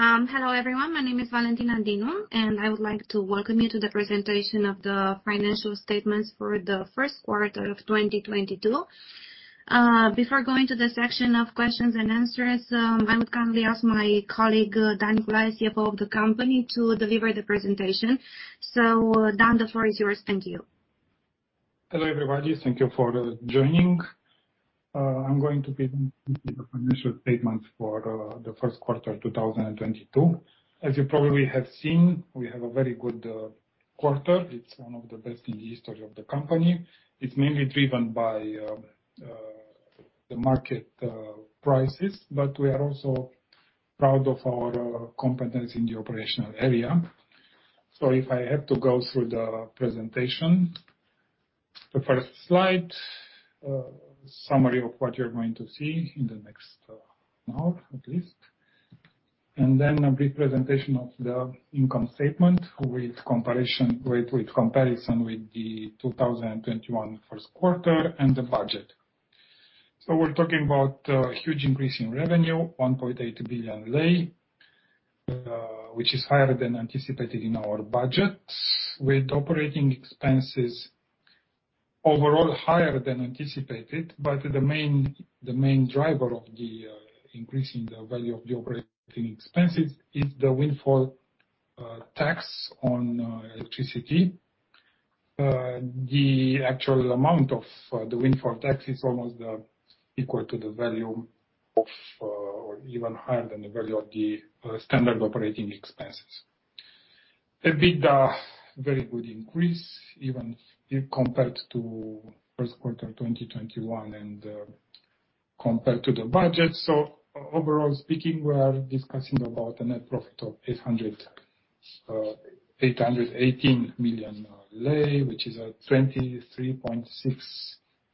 Hello everyone. My name is Valentina Dinu, and I would like to welcome you to the presentation of the financial statements for the first quarter of 2022. Before going to the section of questions and answers, I would kindly ask my colleague, Dan Culai, CFO of the company, to deliver the presentation. Dan, the floor is yours. Thank you. Hello, everybody. Thank you for joining. I'm going to be presenting the financial statements for the first quarter 2022. As you probably have seen, we have a very good quarter. It's one of the best in the history of the company. It's mainly driven by the market prices, but we are also proud of our competence in the operational area. If I have to go through the presentation. The first slide summary of what you're going to see in the next hour, at least. Then a brief presentation of the income statement with comparison with the 2021 first quarter and the budget. We're talking about huge increase in revenue, RON 1.8 billion, which is higher than anticipated in our budget. With operating expenses overall higher than anticipated, but the main driver of the increase in the value of the operating expenses is the windfall tax on electricity. The actual amount of the windfall tax is almost equal to the value of or even higher than the value of the standard operating expenses. EBITDA, very good increase even when compared to first quarter 2021 and compared to the budget. Overall speaking, we are discussing about a net profit of RON 818 million, which is a 23.6%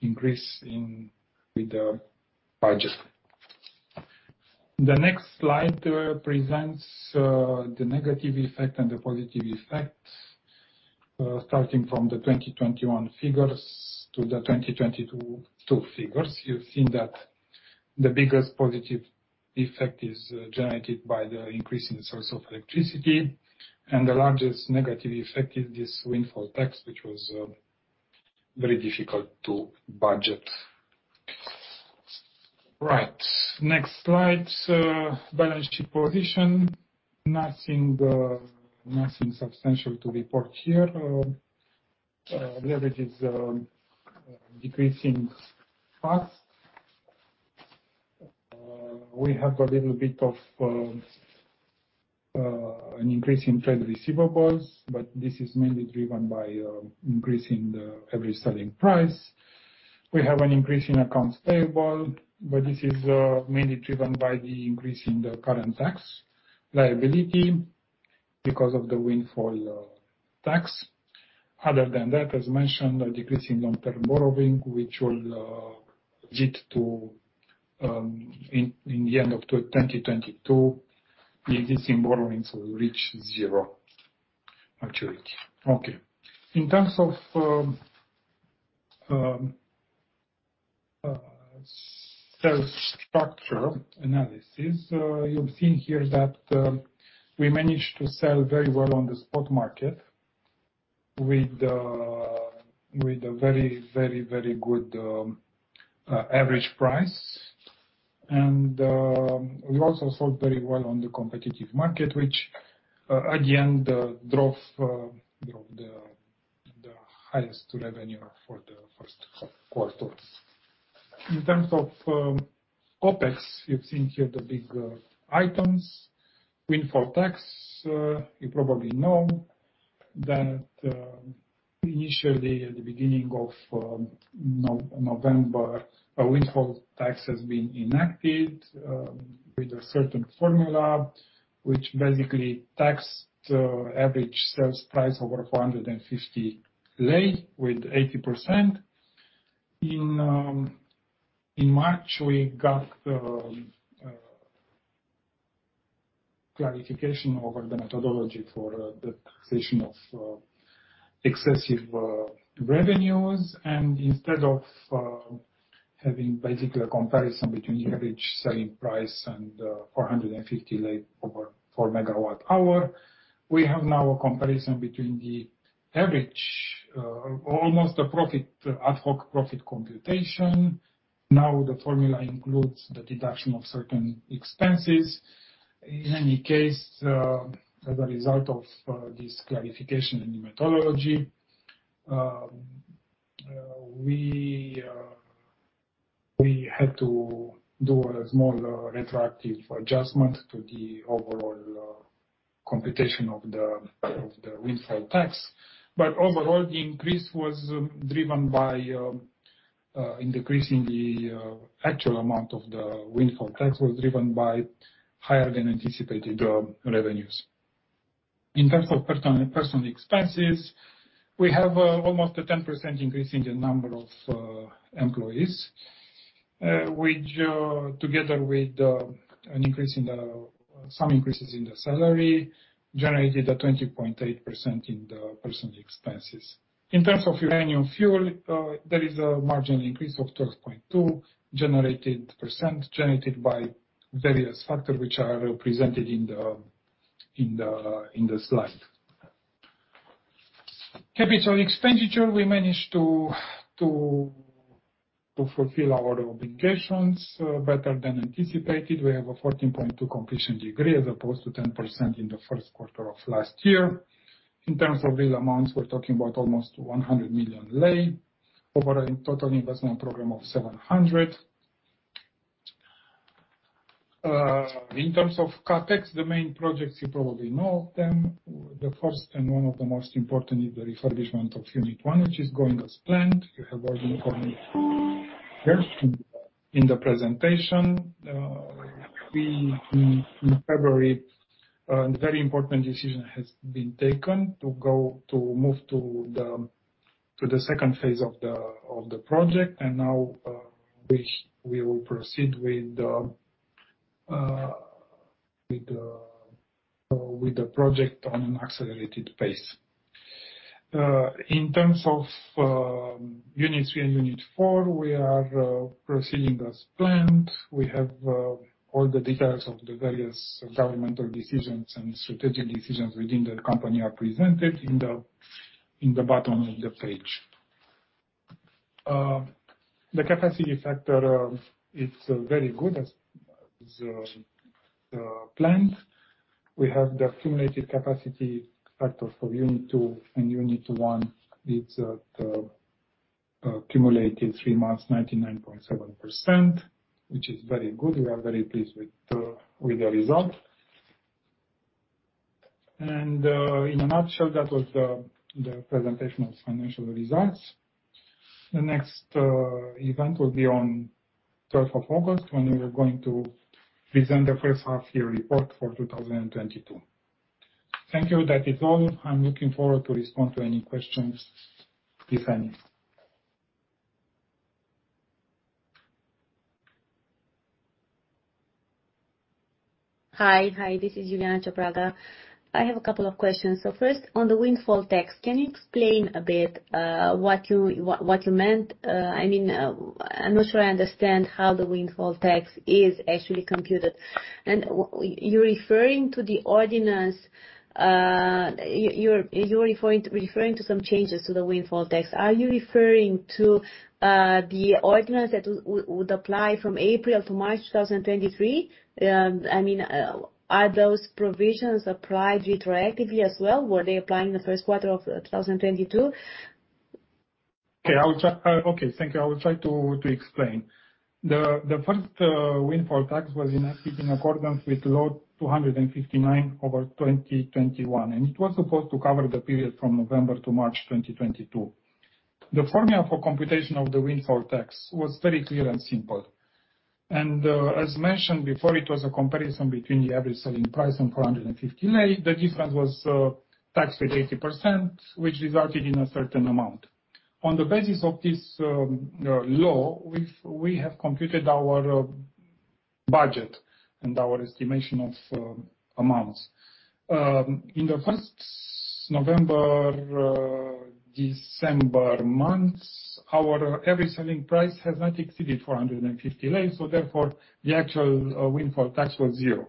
increase over the budget. The next slide presents the negative effect and the positive effects starting from the 2021 figures to the 2022 figures. You've seen that the biggest positive effect is generated by the increase in the price of electricity, and the largest negative effect is this windfall tax, which was very difficult to budget. Right. Next slide. Balance sheet position. Nothing substantial to report here. Leverage is decreasing fast. We have a little bit of an increase in trade receivables, but this is mainly driven by increase in the average selling price. We have an increase in accounts payable, but this is mainly driven by the increase in the current tax liability because of the windfall tax. Other than that, as mentioned, a decrease in long-term borrowing, which will lead to, in the end of 2022, the existing borrowings will reach zero maturity. Okay. In terms of sales structure analysis, you've seen here that we managed to sell very well on the spot market with a very good average price. We also sold very well on the competitive market, which at the end drove you know the highest revenue for the first quarters. In terms of OpEx, you've seen here the big items. Windfall tax, you probably know that initially at the beginning of November, a windfall tax has been enacted with a certain formula, which basically taxed average sales price over 450 lei with 80%. In March, we got the clarification over the methodology for the taxation of excessive revenues. Instead of having basically a comparison between average selling price and RON 450/MWh, we have now a comparison between the average ad hoc profit computation. The formula includes the deduction of certain expenses. In any case, as a result of this clarification in the methodology, we had to do a small retroactive adjustment to the overall computation of the windfall tax. Overall, the increase was driven by higher than anticipated revenues. In terms of personnel expenses, we have almost 10% increase in the number of employees, which together with some increases in the salary, generated 20.8% in the personnel expenses. In terms of uranium fuel, there is a marginal increase of 12.2% generated by various factors which are presented in the slide. Capital expenditure, we managed to fulfill our obligations better than anticipated. We have a 14.2% completion degree as opposed to 10% in the first quarter of last year. In terms of real amounts, we're talking about almost RON 100 million over a total investment program of RON 700 million. In terms of CapEx, the main projects, you probably know of them. The first and one of the most important is the refurbishment of Unit One, which is going as planned. You have all the information here in the presentation. In February, a very important decision has been taken to move to the second phase of the project. Now we will proceed with the project on an accelerated pace. In terms of Unit Three and Unit Four, we are proceeding as planned. We have all the details of the various governmental decisions and strategic decisions within the company are presented in the bottom of the page. The capacity factor, it's very good as planned. We have the accumulated capacity factor for Unit Two and Unit One. It's at accumulated three months, 99.7%, which is very good. We are very pleased with the result. In a nutshell, that was the presentation of financial results. The next event will be on the third of August when we are going to present the first half year report for 2022. Thank you. That is all. I'm looking forward to respond to any questions, if any. Hi. This is Iuliana Cepraga. I have a couple of questions. First, on the windfall tax, can you explain a bit what you meant? I mean, I'm not sure I understand how the windfall tax is actually computed. You're referring to the ordinance referring to some changes to the windfall tax. Are you referring to the ordinance that would apply from April to March 2023? I mean, are those provisions applied retroactively as well? Were they applying the first quarter of 2022? Okay. I will try to explain. The first windfall tax was enacted in accordance with Law 259/2021, and it was supposed to cover the period from November to March 2022. The formula for computation of the windfall tax was very clear and simple. As mentioned before, it was a comparison between the average selling price and RON 450. The difference was taxed at 80%, which resulted in a certain amount. On the basis of this law, we have computed our budget and our estimation of amounts. In the first November December months, our average selling price has not exceeded RON 450, so therefore, the actual windfall tax was zero.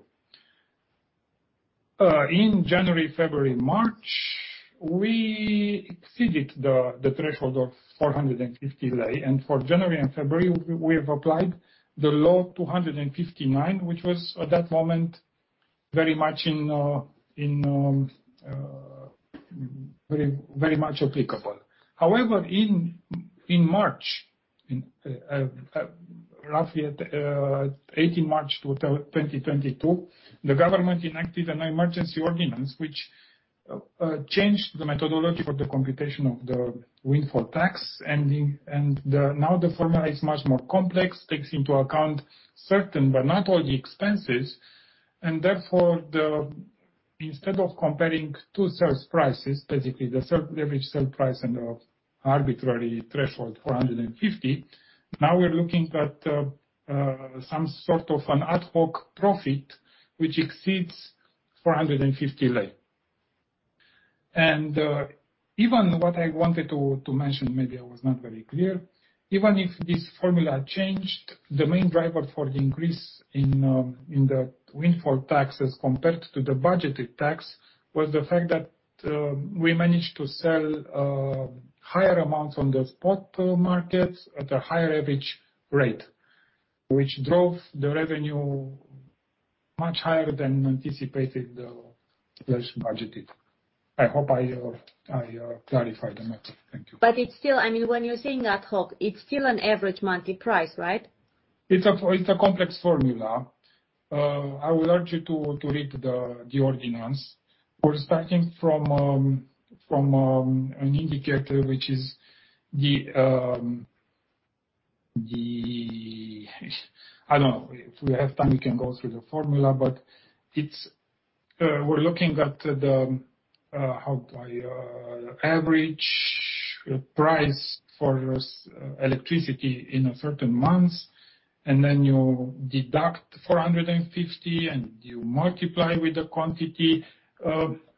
In January, February, March, we exceeded the threshold of RON 450. For January and February, we have applied Law 259/2021, which was, at that moment, very much applicable. However, in March, roughly at 18 March 2022, the government enacted GEO 27/2022, which changed the methodology for the computation of the windfall tax. Now the formula is much more complex, takes into account certain but not all the expenses. Therefore, instead of comparing two sales prices, basically the average sell price and the arbitrary threshold, RON 450, now we're looking at some sort of an ad hoc profit which exceeds RON 450. Even what I wanted to mention, maybe I was not very clear. Even if this formula changed, the main driver for the increase in the windfall tax as compared to the budgeted tax, was the fact that we managed to sell higher amounts on the spot markets at a higher average rate, which drove the revenue much higher than anticipated, as budgeted. I hope I clarified the matter. Thank you. It's still I mean, when you're saying ad hoc, it's still an average monthly price, right? It's a complex formula. I would urge you to read the ordinance. We're starting from an indicator. I don't know. If we have time, we can go through the formula, but we're looking at the average price for electricity in a certain month, and then you deduct RON 450, and you multiply with the quantity.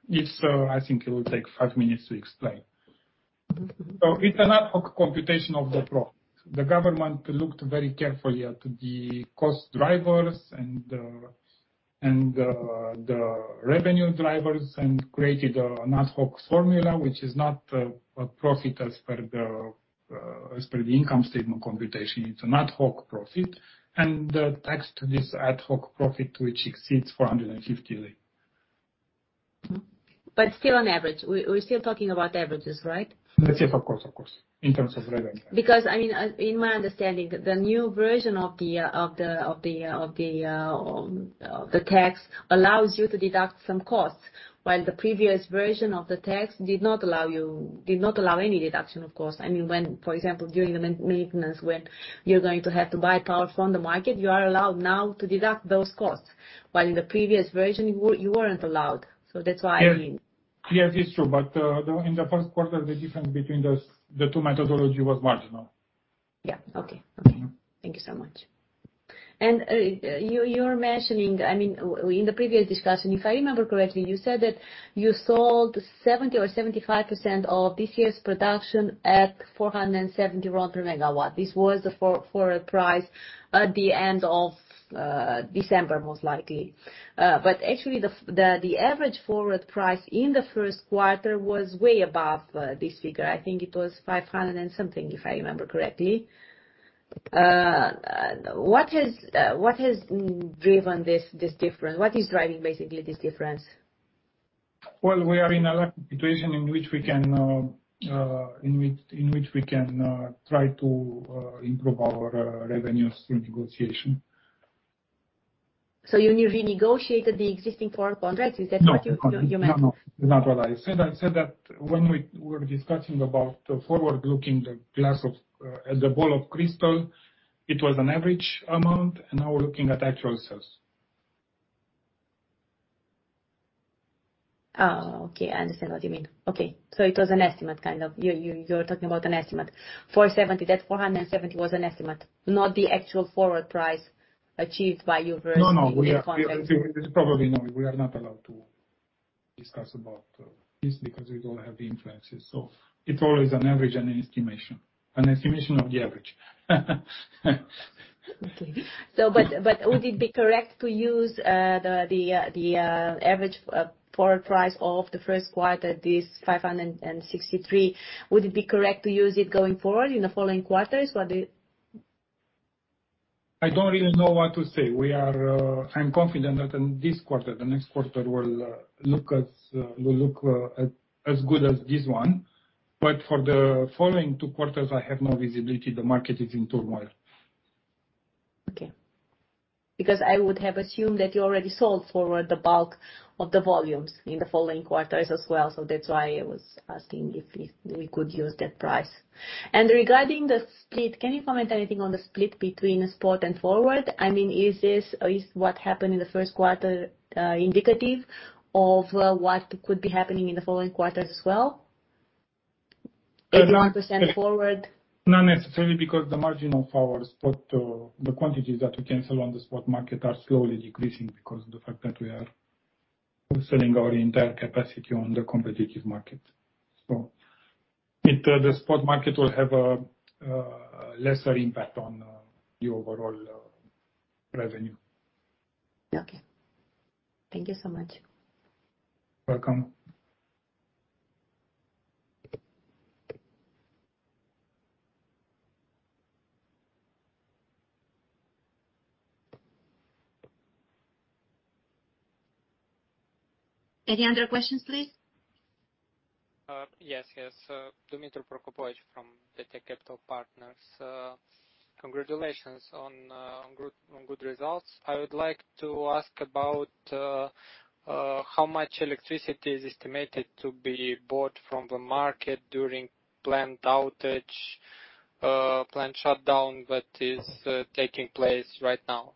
I think it will take five minutes to explain. It's an ad hoc computation of the profit. The government looked very carefully at the cost drivers and the revenue drivers and created an ad hoc formula, which is not a profit as per the income statement computation. It's a windfall profit and the tax on this windfall profit, which exceeds RON 450. Still on average. We're still talking about averages, right? Let's say for cost, of course, in terms of revenue. Because I mean, in my understanding, the new version of the tax allows you to deduct some costs. While the previous version of the tax did not allow any deduction of costs. I mean, for example, during the maintenance when you're going to have to buy power from the market, you are allowed now to deduct those costs. While in the previous version, you weren't allowed. That's why I mean. Yes. It's true. In the first quarter, the difference between those two methodologies was marginal. Yeah. Okay. Thank you so much. You're mentioning. I mean, in the previous discussion, if I remember correctly, you said that you sold 70 or 75% of this year's production at 470 RON per MWh. This was the forward price at the end of December, most likely. Actually the average forward price in the first quarter was way above this figure. I think it was 500 and something, if I remember correctly. What has driven this difference? What is driving basically this difference? Well, we are in a lucky situation in which we can try to improve our revenues through negotiation. You renegotiated the existing forward contracts, is that what you meant? No. Not what I said. I said that when we're discussing about the forward-looking at the crystal ball, it was an average amount, and now we're looking at actual sales. Oh, okay. I understand what you mean. Okay. It was an estimated kind of. You're talking about an estimate. 470, that 470 was an estimate, not the actual forward price achieved by you versus the contract. No. We are. It's probably normal. We are not allowed to discuss about this because we don't have the influences. It's always an average and an estimation. An estimation of the average. Would it be correct to use the average forward price of the first quarter, this RON 563, going forward in the following quarters? What do I don't really know what to say. I'm confident that in this quarter, the next quarter will look as good as this one. For the following two quarters, I have no visibility. The market is in turmoil. Okay. Because I would have assumed that you already sold forward the bulk of the volumes in the following quarters as well. That's why I was asking if we could use that price. Regarding the split, can you comment anything on the split between spot and forward? I mean, is what happened in the first quarter indicative of what could be happening in the following quarters as well? A larger percentage forward. Not necessarily, because the margin of our spot, the quantities that we can sell on the spot market are slowly decreasing because of the fact that we are selling our entire capacity on the competitive market. It, the spot market, will have a lesser impact on the overall revenue. Okay. Thank you so much. Welcome. Any other questions, please? Yes. Dimitar Prokopovich from Tech Capital Partners. Congratulations on good results. I would like to ask about how much electricity is estimated to be bought from the market during plant outage, plant shutdown that is taking place right now.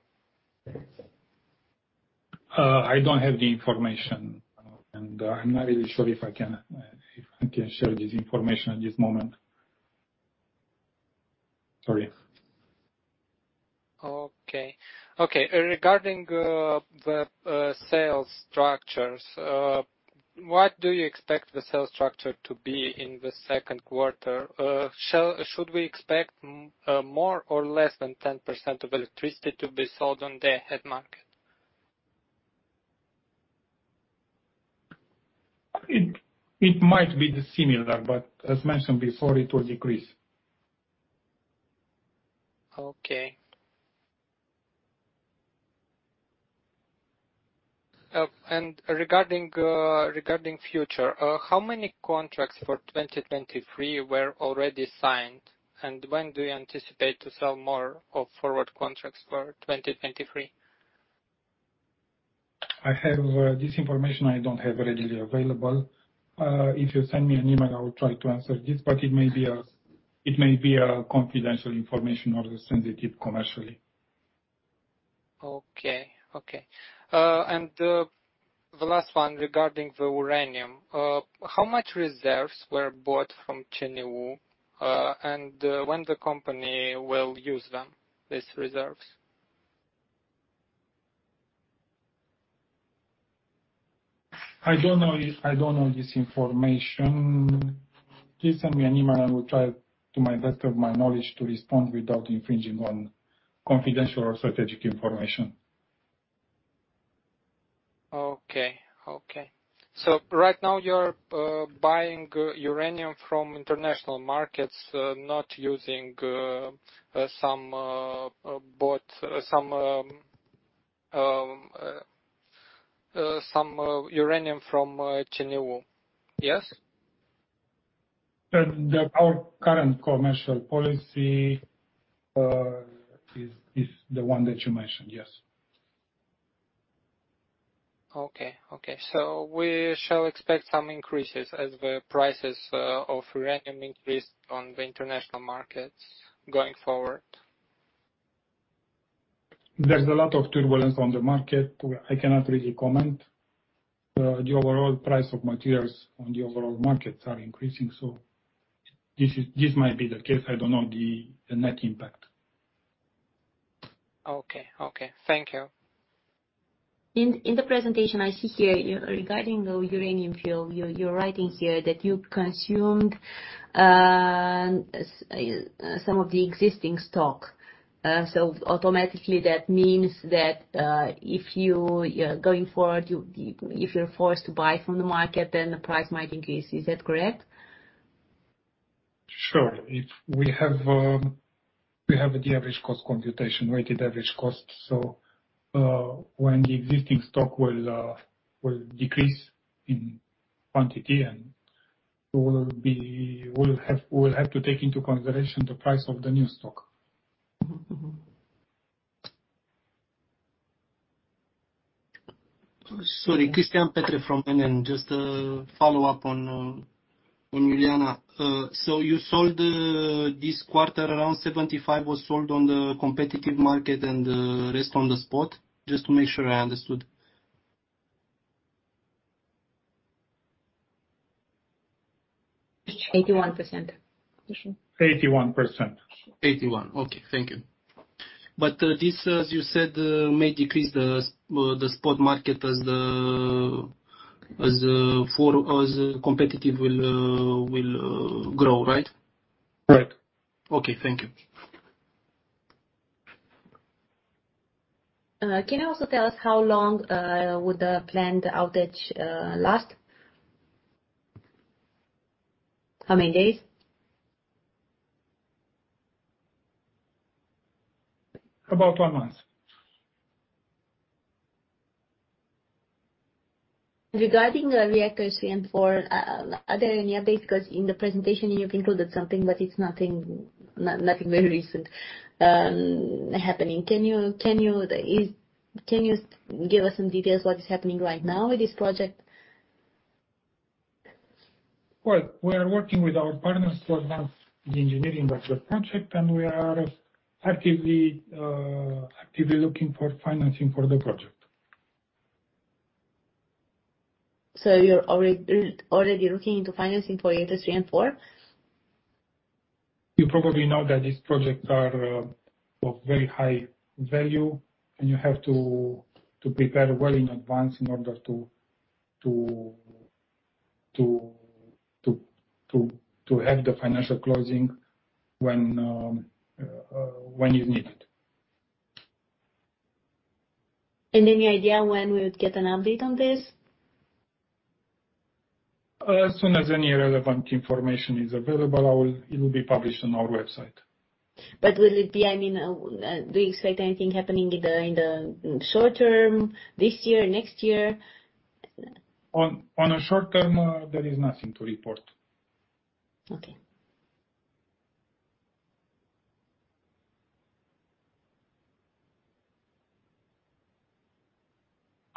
I don't have the information, and I'm not really sure if I can share this information at this moment. Sorry. Okay, regarding the sales structures, what do you expect the sales structure to be in the second quarter? Should we expect more or less than 10% of electricity to be sold on the day-ahead market? It might be similar, but as mentioned before, it will decrease. Okay. Regarding future, how many contracts for 2023 were already signed? When do you anticipate to sell more of forward contracts for 2023? I have this information I don't have readily available. If you send me an email, I will try to answer this, but it may be a confidential information or commercially sensitive. Okay. The last one regarding the uranium, how much reserves were bought from Cernavodă, and when the company will use them, these reserves? I don't know this information. Please send me an email and I will try to the best of my knowledge to respond without infringing on confidential or strategic information. Okay. Right now you're buying uranium from international markets, not using some uranium from Cernavodă. Yes? Our current commercial policy is the one that you mentioned, yes. Okay. We shall expect some increases as the prices of uranium increase on the international markets going forward. There's a lot of turbulence on the market. I cannot really comment. The overall price of materials on the overall markets are increasing, so this might be the case. I don't know the net impact. Okay. Okay. Thank you. In the presentation I see here regarding the uranium fuel, you're writing here that you consumed some of the existing stock. So automatically that means that if you're going forward, if you're forced to buy from the market, then the price might increase. Is that correct? Sure. If we have the average cost computation, weighted average cost. When the existing stock will decrease in quantity and we'll have to take into consideration the price of the new stock. Mm-hmm. Cristian Petre from NN. Just a follow-up on Iuliana. So you sold this quarter around 75 was sold on the competitive market and rest on the spot? Just to make sure I understood. 81%. 81%. 81. Okay. Thank you. This, as you said, may decrease the spot market as competitive will grow, right? Right. Okay, thank you. Can you also tell us how long would the planned outage last? How many days? About one month. Regarding Units Three and four, are there any updates? Because in the presentation you've included something, but it's nothing very recent that's happening. Can you give us some details what is happening right now with this project? Well, we are working with our partners to advance the engineering virtual project, and we are actively looking for financing for the project. You're already looking into financing for Unit Three and Four? You probably know that these projects are of very high value, and you have to prepare well in advance in order to have the financial closing when is needed. Any idea when we would get an update on this? As soon as any relevant information is available, it will be published on our website. Will it be, I mean, do you expect anything happening in the short term, this year, next year? In the short term, there is nothing to report.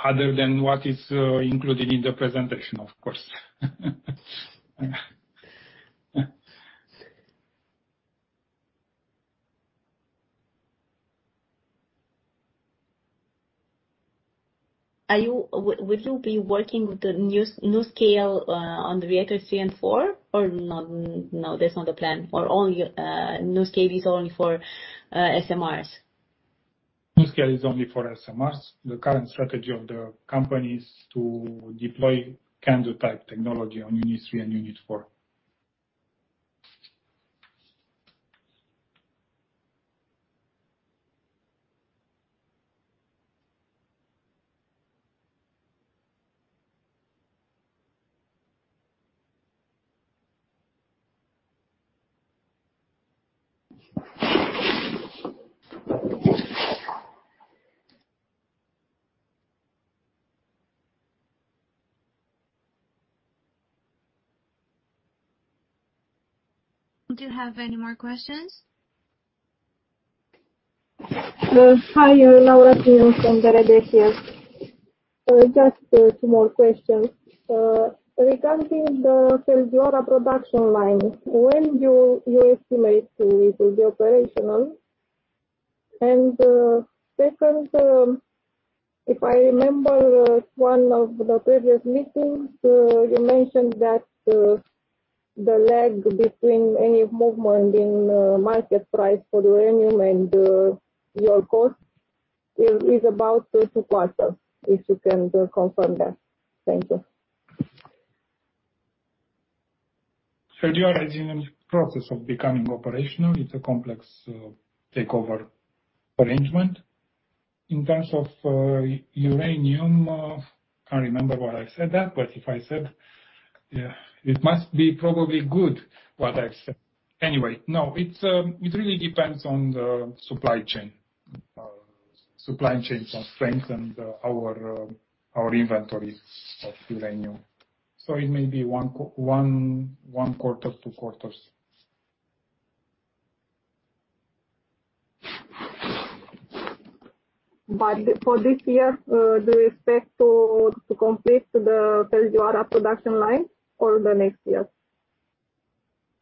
Okay. Other than what is included in the presentation, of course. Would you be working with the new NuScale on the reactor 3 and 4? No, that's not the plan? Only NuScale is only for SMRs? NuScale is only for SMRs. The current strategy of the company is to deploy CANDU-type technology on Unit Three and Unit Four. Do you have any more questions? Hi, Laura Tinu from Raiffeisen Bank. Just two more questions. Regarding the Feldioara production line, when do you estimate it will be operational? Second, if I remember one of the previous meetings, you mentioned that, The lag between any movement in market price for the uranium and your cost is about 2 quarters, if you can confirm that. Thank you. Feldioara is in process of becoming operational. It's a complex takeover arrangement. In terms of uranium, can't remember what I said that, but if I said, yeah, it must be probably good what I said. Anyway, no, it really depends on the supply chain. Supply chains are strengthened. Our inventory of uranium. It may be one quarter, two quarters. For this year, do you expect to complete the Feldioara production line or the next year?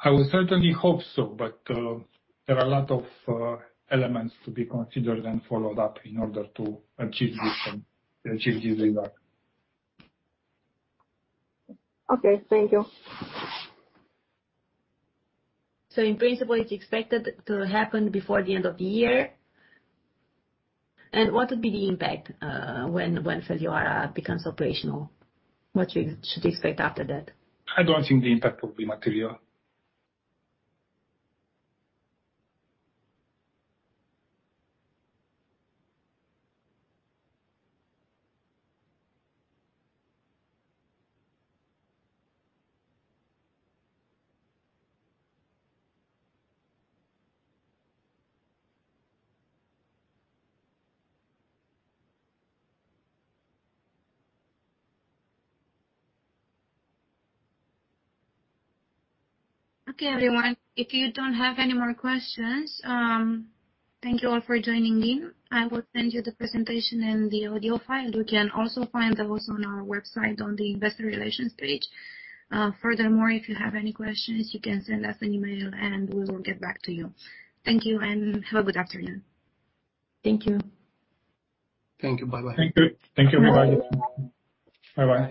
I would certainly hope so, but there are a lot of elements to be considered and followed up in order to achieve this result. Okay. Thank you. In principle, it's expected to happen before the end of the year. What would be the impact, when Feldioara becomes operational? What should we expect after that? I don't think the impact will be material. Okay, everyone. If you don't have any more questions, thank you all for joining in. I will send you the presentation and the audio file. You can also find those on our website on the investor relations page. Furthermore, if you have any questions, you can send us an email and we will get back to you. Thank you and have a good afternoon. Thank you. Thank you. Bye-bye. Thank you. Thank you, everybody. Bye-bye.